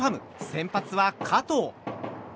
先発は加藤。